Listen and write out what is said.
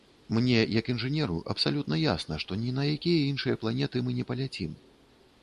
Мне як інжынеру абсалютна ясна, што ні на якія іншыя планеты мы не паляцім.